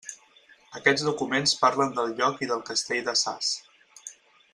Aquests documents parlen del lloc i del castell de Sas.